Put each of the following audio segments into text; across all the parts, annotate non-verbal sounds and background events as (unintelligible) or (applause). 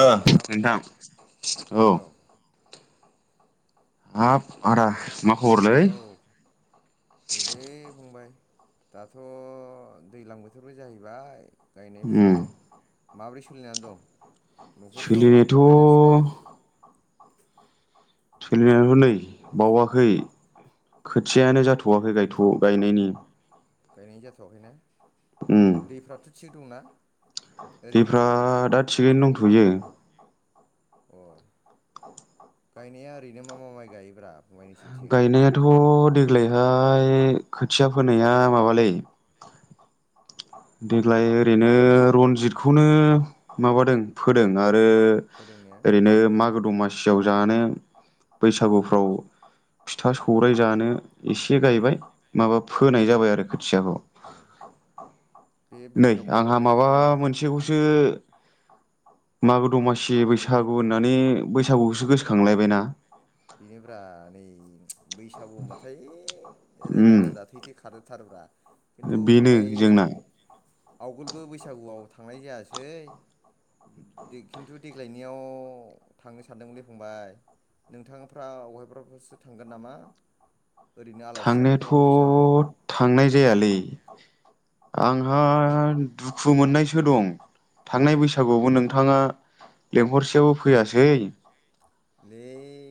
ओ ना नोंथां फंबाय औ। हाफ आदा। मा खबरलै औ। नैलै फंबाय दाथ' दैलां बोथोरबो जाहैबाय। गायनाय उम फुनाय माबोरै सोलिनानै दं? न'खरफ्राव सोलिनायाथ' गायनाय फुनाया? सोलिनायानो लै बावाखै खोथियानो जाथ'वाखै गायथ' गायनायनि। गायनाय नि जाथ'वाखै ने? उम दैफ्राथ' थिग दंना? ओरैनो दैफ्रा दा थिगैनो दंथ'यो। अ गायनाया ओरैनो मा मा माइ गायोब्रा? फंबाय नोंसिनिथिं गायनायाथ' देग्लायहाय खोथिया फोनाया माबालै देग्लाय ओरैनो रनजितखौनो माबादों फोदों आरो फोरोंनाया ओरैनो मागो दमासियाव जानो बैसागुफ्राव फिथा सौराइ जानो इसे गायबाय माबा फोनाय जाबाय आरो खोथियाखौ। (unintelligible) बे नै बैसागु आंहा होनायखाय माबा मोनसेखौसो मागो दमासि बैसागु होननानै बैसागुखौसो गोसोखांलायबायना बिनोब्रा नै बैसागु होनबाथाय उम रोदा-रोदा थै-थै खारजोबथारोब्रा खिन्थु बेनो फंबाय जोंना आवगलबो बैसागुआव थांनाय जायासै खिन्थु देग्लायनियाव थांनो सानदोंमोनलै फंबाय नोंथांफ्रा अबेहायबफोरावसो थांगोन नामा ओरैनो आलासि थांनायाथ' जाथावथाव बैसागु थांनाय जायालै आंहा दुखु मोननायसो दं। थांनाय बैसागुआवबो नोंथाङा लेंहरसेयावबो फैयासै ओंलै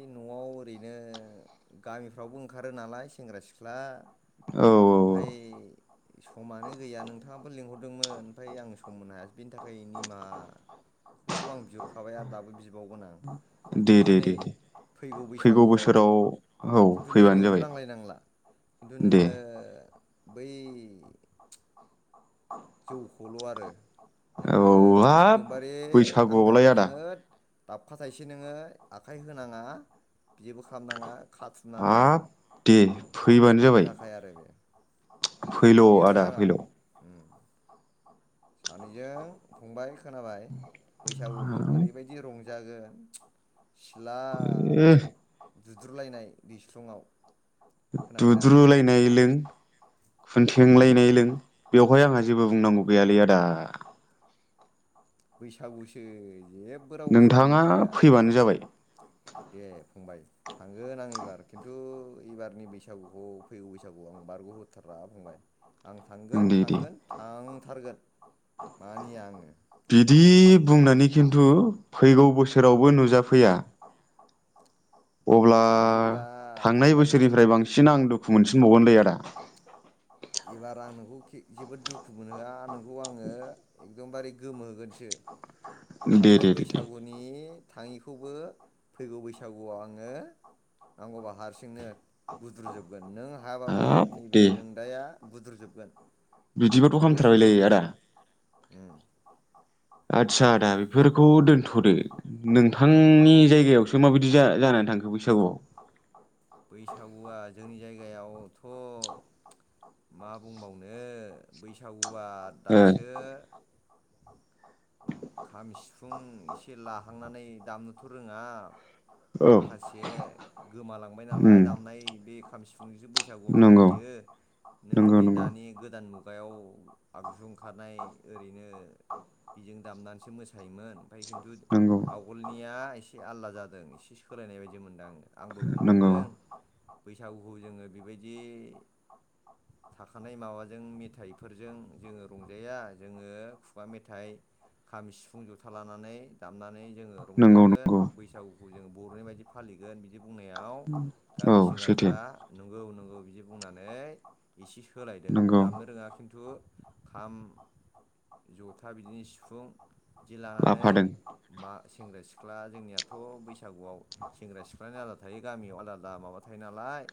न'आव ओरैनो गामिफ्रावबो ओंखारो नालाय सेंग्रा सिख्ला औ आमफाय औ समानो गैया नोंथाङाबो लिंहरदोंमोन आमफाय आं सम होनो हाया बिनि थाखाय निमाखौथ' आं बिहरखाबाय आरो दाबो बिबावगोन आं दे खिन्थु दे नै दे दे फैगौ बैसागुआव औ खिन्थु नों फैबानो जाबाय लिंहरनांलायनांला खिन्थु दे नोङो बै जौखौल' आरो औ नोङो हाब एकदमबारे आंनि बैसागुआवलाय थाखाय आदा नोङो दाबखा थायसे नोङो आखाइ होनाङा जेबो खालामनाङा खाथुमनानै दोन हाब दे फैबानो आंनि जाबाय थाखाय आरो बे फैल' आदा फैल' ओम सानैजों फंबाय खोनाबाय बैसागुखौ ओरैबादि रं जागोन सिथला ए दुद्रुलायनाय दैस्लुं आव दुद्रुलायनाय लों खुनथेंलायनाय लों बेवहाय आंहा जेबो बुंनांगौ गैयालै आदा बैसागुसो जेबो रावबो जेबो नोंथाङा बुंखाया। फैबानो जाबाय दे फंबाय‌ थांगोन आं एबार खिन्थु एबारनि बैसागुखौ फैगौ बैसागुखौ आं बारग' हथारा फंबाय आं दे दे थांगोन-थांगोन थांथारगोन मानिया आङो बिदि बुंनानै खिन्थु फैगौ बोसोरावबो नुजाफैया अब्ला बिदिब्ला थांनाय फंबाय बोसोरनिफ्राय बांसिन आं दुखु मोनसिनबावगोनलै आदा एबार आं नोंखौ खे जोबो दुखु मोनहोआ नोंखौ आङो एकखदमबारे गोमोहोगोनसो दे दे थांनाय दे दे बैसागुनि नि थाङिखौबो फैगौ बैसागुआव आङो नांगोबा हारसिंनो बुद्रुजोब गोन नों हाबाबो हाब नैबे दे नोंदाया बुद्रुजोबगोन बिदिबाथ' गोदिबो हामथारबायलै दोना आदा उम आदसा आदा बेफोरखौ दोनथदो औ दे नोंथांनि फंबाय जायगायावसो माबायदि जाया जानानै थांखो बैसागुआव बैसागुआ जोंनि जायगायावथ' मा बुंबावनो बैसागुआ ओ दासो खाम सिफुं एसे लाहांनानै दामनोथ' रोङा औ माखासे गोमालांबाय उम नालाय दामनाय बे खाम सिफुंजो बैस बैसागु नंगौ फालियो नों नंगौ बे नंगौ दानि गोदान मुगायाव आगजु ओंखारनाय ओरैनो बेजों दामानासो मोसायोमोन ओमफाय खिन्थु नंगौ आवगोलनिया एसे आलदा जादों एसे सोलायनाय बायदि मोनदां आंबो बुंहर नंगौ बैसागुखौ जोङो बेबायदि थाखानाय माबाजों मेथाइफोरजों जोङो रंजाया जोङो खुगा मेथाइ खामि सिफुं जथा लानानै दामनानै जोङो नंगौ रंजागोन बैसागुखौ जोङो बर'नि बायदि फालिगोन बिदि बुंनायाव नंगौ औ गामि सैथो सेंग्राफ्रा नंगौ-नंगौ बिदि बुंनानै एसे सोलायदों नंगौ दामनो रोङा खिन्थु खाम जथा बिदिनो सिफुं बिदि लानानै लाफादों मा सेंग्रा सिख्ला जोंनियाथ' बैसागुआव सेंग्रा सिख्लायानो आलादा थायो गामियाव आलादा आलदा माबा थायो नालाय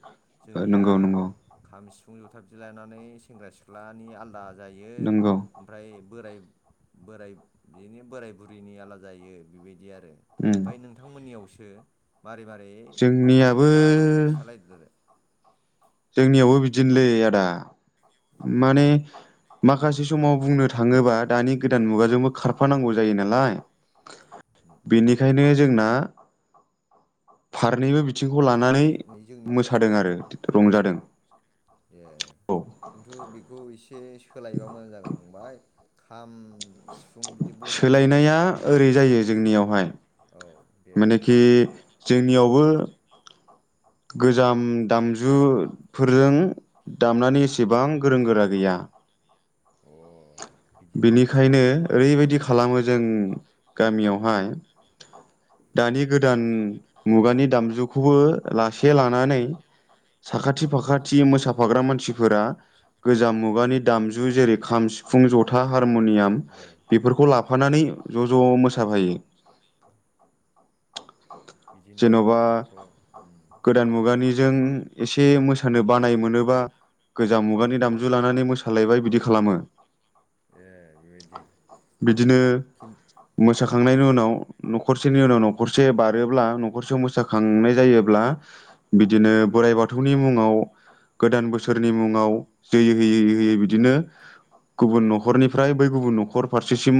जोंनिया नंगौ नंगौ खाम सिफुं जथा बिदिलायनानै सेंग्रा सिख्लानि आलादा जायो नंगौ ओमफ्राय बोराय बोराय बिदिनो बोराय बुरैनि आलदा जायो बेबायदि आरो। उम ओमफाय नोंथांमोननियावसो मारै मारै फालियो जोंनियाबो थाय एसे खिथालायदो आरो। जोंनियावबो बिदिनोलै आदा माने माखासे समाव बुंनो थाङोबा दानि गोदान मुगाजोंबो खारफानांगौ जायो नालाय बेनिखायनो जोंना फारनैबो बिथिंखौ दे लानानै जोंनिया मोसादों आरो रंजादों। ए औ खिथु बेखौ एसे सोलायबा मोजां जागोन फंबाय खाम उम सिफुं बिदि बर'नि सोलायनाया ओरै दामजुफोरखौ जायो जोंनियावहाय औ दे फंबाय मानेखि बुं। जोंनियावबो गोजाम दामजुफोरजों दामनानै एसेबां गोरों गोरा गैया। अ। बिदिनो बेनिखायनो ओरैबायदि खालामो जों गामियावहाय दानि गोदान मुगानि दामजु खौबो लासे लानानै साखाथि औ फाखाथि मोसा फाग्रा मानसिफोरा गोजाम मुगानि दामजु जेरै खाम, सिफुं, ज हारमुनियाम औ बेफोरखौ औ लाफानानै ज' ज' मोसाफायो। (inaudible) बिदिनो जेन'बा होनबाथ' उम गोदान मुगानिजों एसे मोसानो बानाय मोनोबा गोजाम मुगानि औ दामजु लानानै मोसा सालायबाय बिदि खालामो ए बेबायदि बिदिनो खिन मोसाखांनायनि उनाव न'खरसेनि उनाव न'खरसे बारोब्ला न'खरसेयाव मोसाखांनाय जायोब्ला उम बिदिनो बोराइ बाथौनि मुङाव गोदान बोसोरनि मुंङाव जै होयै होयै बिदिनो गुबुन न'खरनिफ्राय बै गुबुन न'खर फारसेसिम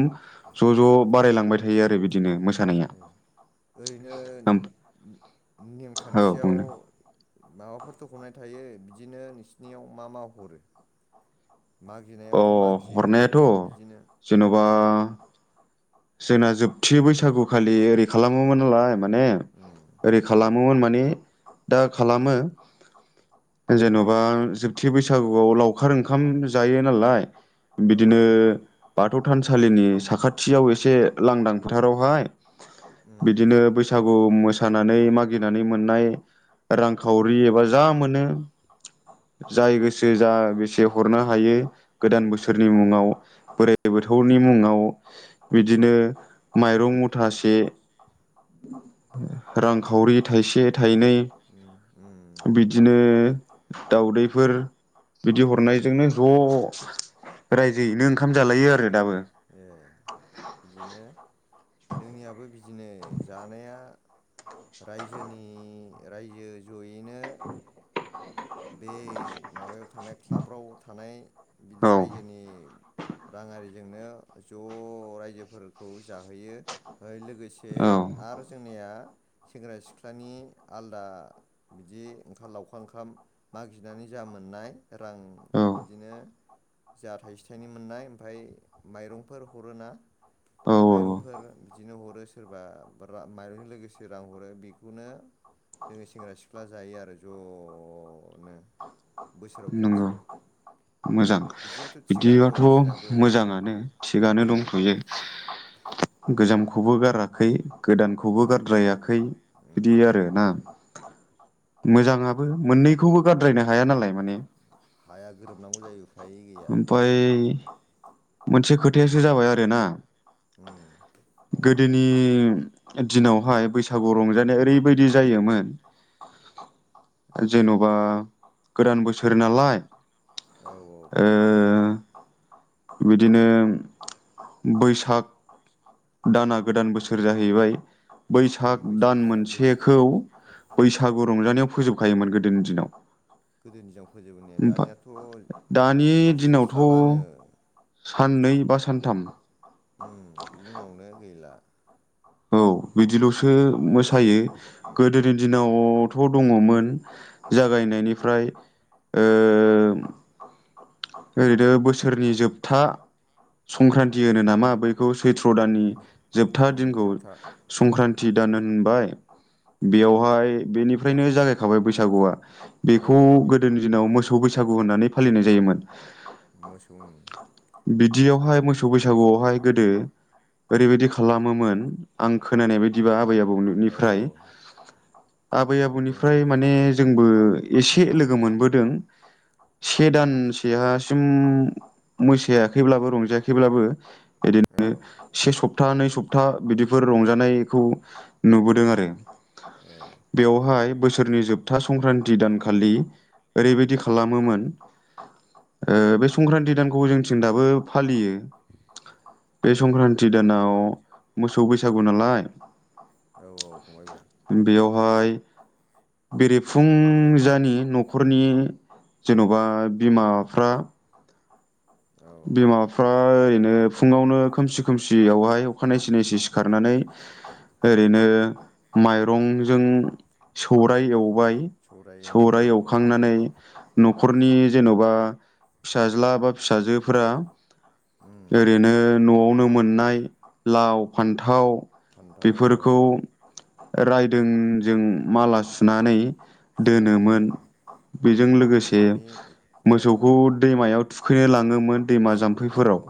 ज' ज' बारायलांबाय थायो आरो बिदिनो मो उम ओरैनो औ नेम खान्थियाव बुंनो माबाफोर दख'नाय थायो बिदिनो नोंसिनियाव मा मा हरो अ मागिनायावथ' मागियो हरनायाथ' ओमफ्राय बिदिनो जेन'बा जोंना जोबथि बैसागुखालि ओरै खालामोमोन नालाय माने उम ओरै खालाम खालामोमोन माने दा खालामो जेन'बा जोबथि बैसागुआव लावखार ओंखाम जायो नालाय औ बिदिनो बाथौ थानसालिनि साखाथियाव एसे लांदां फोथारावहाय उम बिदिनो बैसागु मोसा मोसानानै मागिनानै मोनाय रां खावरि एबा जा मोनो जाय गोसो जा बेसे हरनो हायो गोदान बोसोरनि मुङाव बोराइ बाथौवनि मुङाव बिदिनो माइरं मुथासे रां खावरि थाइसे थाइनै बिदिनो उम बिदिनो दाउदैफोर बिदि हरनायजोंनो ज' राइजोयैनो ओंखाम जालायो आरो दाबो। ए बिदिनो जोंनियाबो बिदिनो जानाया राइजोनि राइजो ज'यैनो बे माबायाव थानाय क्लाबफ्राव थानाय बिदि औ राइजोनि रां आरिजोंनो ज' राइजोफोरखौ जाहोयो लो गोसे औ आरो जों जोंनिया सेंग्रा सिख्लानि आलदा बिदि ओंखाम लावखार ओंखाम मागिनानै जा मोननाय रां औ बिदिनो जा थाइसे थाइनै मोननाय ओमफ्राय माइरंफोर हरोना औ औ माइरंफोर बिदिनो हरो सोरबा माइरंजों लोगोसे रां हरो बेखौनो जोङो सेंग्रा सिख्ला जायो आरो ज' ज'नो बोसोराव नंगौ खनसे। मोजां दं बिदिबाथ' नोंसिनाबो उम मोजाङानो थिगानो उम दंखायो। गोजामखौबो गाराखै गोदानखौबो उम बेखौबो गारद्रायाखै उम बिदि आरोना। मोजाङाबो मोननैखौबो गाद्रायनो हाया नालाय माने हाया गोरोबनांगौ जायो उफाय गैया। ओमफ्राय मोनसे खोथायासो जाबाय आरोना उम बुं गोदोनि फंबाय दिनावहाय बैसागु रंजानाया ओरैबायदि जायोमोन जेन'बा गोदान बोसोर नालाय औ औ ओ फंबाय बुं दे। बिदिनो बैसाग दाना गोदान बोसोर जाहैबाय। बैसाग उम दान दाना बैसो मोनसेखौ बैसागु रंजानायाव फोजोबखायोमोन गोदोनि दिनाव। गोदोनि दिनाव फोजोबबोने ओमफ्राय दानियाथ' खिन्थु दानि दिनावथ' जोबस्रालानो साननै बा सानथाम उम बिनि उनावनो गैला। औ बिदिल'सो मोसायो। गोदोनि दिनावथ' दङमोन जागायनायनिफ्राय ओम ओरैनो बोसोरनि जोबथा संक्रान्ति होनो नामा बै खौ सैथ्र' दाननि उम जोबथा उम दिनखौ जोबथा उम संक्रान्ति दान होनबाय बेयावहाय बेनिफ्रायनो जागायखाबाय बैसागुआ। औ बेखौ गोदोनि दिनाव मोसौ बैसागु होननानै फालिनाय जायोमोन। मोसौ ओं। बिदियावहाय मोसौ बैसागुआवहाय गोदो ओरैबायदि खालामोमोन आं खोनानाय बायदिबा आबै आबौनि औ निफ्राय आबै बुं दे आबौनिफ्राय फंबाय माने जोंबो एसे लोगो मोनबोदों से दानसेहासिम मोसायाखैब्लाबो रंजायाखैब्लाबो औ इदिनो औ से सप्ता नै सप्ता बिदिफोर रंजानायखौ नुबोदों आरो। ए बेयावहाय बोसोरनि जोबथा संक्रान्ति दानखालि ओरैबायदि खालामोमोन ओ बे संक्रान्ति दानखौ जोंथिं दाबो फालियो। बे संक्रान्ति दानाव मोसौ बैसागु नालाय औ औ फंबाय बुं? बेयावहाय बेरे फुंजानि न'खरनि जेन'बा बिमाफ्रा औ औ बिमाफ फ्रा ओरैनो फुङावनो खोमसि खोमसिआवहाय अखानायसि नायसि सिखारनानै ओरैनो मायरंजों सौराय एवबाय ओं औ सौराय औ एवखांनानै न'खरनि जेन'बा फिसाज्ला बा फिसाजोफोरा उम ओरैनो न'आवनो मोननाय लाव, फान्थाव फान्थाव औ औ बेफोरखौ रायदों जों माला सुनानै सुनानै दोनोमोन उम बेजों उम लोगोसे न'नि एखमाव मोसौखौ दैमायाव थुखैनो लाङोमोन। दैमा थुखैनाय औ जाम्फैफोराव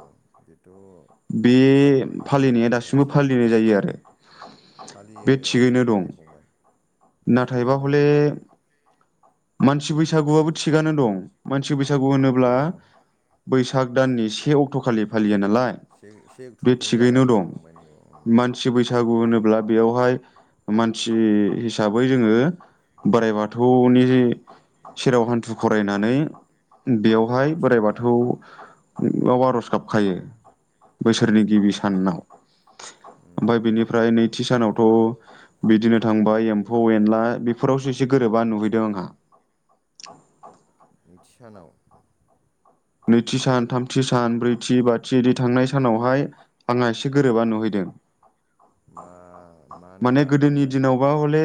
बेथ' बे बर'निनो फालिनाया दासिमबो नेमखान्थि ओं फालिनाय जायो आरो। बे फालियो औ थिगैनो दं फालियो फंबाय नाथायबा थिगैनो हले दङ बेयो मानसि बैसागुआबो थिगानो दं मानसि बैसागु दङ होनोब्ला साग दाननि से अक्ट'खालि फालियो नालाय से से अक्ट'निफ्रायनो जागायो औ फंबाय नंगौ औ सि बैसागु होनोब्ला बेयावहाय मानसि हिसाबै जोङो बोराइ बाथौनि सेराव हान्थु खरायनानै औ बेलहाय आर'ज बोराय गाबनाय बाथौनाव आर'ज हाबखायो बोसोरनि गिबि सानाव ओमफ्राय बेनिफ्राय नै नथि सानावथ' बिदिनो थांबा एम्फौ एनला बेफोरावसो एसे गोरोबा नुहैदों आंहा नैथि सानाव नैथि सान थामथि सान ब्रैथि बाथि बिदि थांनाय उम सानावहाय आंहा एसे गोरोबा नुहैदों मा माने मानोबा गोदोनि फंबाय दिनावबा हले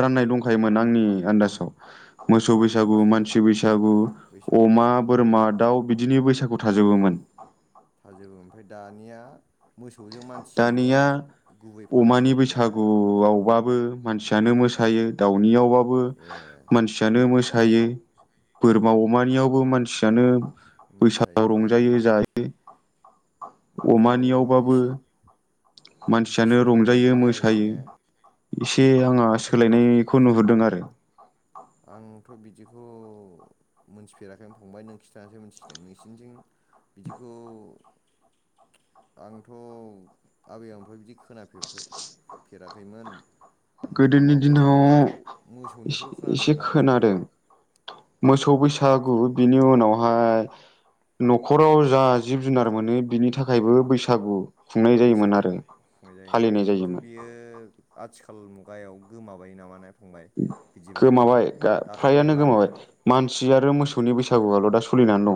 राननाय दंखायोमोन आंनि आन्दाजाव मोसौ बैसागु आन्दाजाव मानसि बैसागु बैसागु अमा उम बोरमा दाउ बिदिनि बैसागु थाजोबोमोन थाजोबो ओमफ्राय दानिया मोसौजों दानिया मानसिजोंल' गुबै फालिसै आरोने अवावबाबो मानसियानो मोसायो दावनि आवबाबो ए मानसि मानसियानो मोसायो बोरमा अमानियावबो मानसिनो बैसागोव मोसायो ने रंजायो जायो होमबाथ' अमानियावबाबो एसे एसे मानसियानो सोलायनाय रंजायो बायदियानो जाहैबाय मोसायो ने एसे आङा आंथ' बे सोलायनायखौ नुहुरदों आरो आंथ' बिदिखौ मोनथिफेराखैमोन फंबाय नों खिन्थासै मिथिदों नोंसिनिजोंं बिदिखौ आंथ' आबै आफ्राय बिदि खोनाफेरखो फेराखैमोन गोदोनि अमा बोरमानि खिन्थु दिनाव एसे मोसौनिखौल' खो एसे खोनादोंमोन आरो आङो खोनादों ए मोसौ बैसागु बाथ्रा बिनि उनावहाय न'खराव जा जिब जुनार मोनो बिनि थाखायबो बैसागु खुंनाय जायोमोन बैसागु आरो खुंनाय जायोमोन फालिनाय खिन्थु जायोमोन बियो आथिखाल मुगायाव गोमाबाय नामा ना? फंबाय बिदिब्लाथ' गोमाबाय गा दाथ' फ्रायानो नुलानो गोमाबाय मानसि आरो मोसौनि बैसागुआल' दा सोलिनानै दं